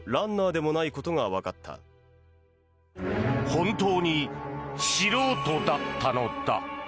本当に素人だったのだ。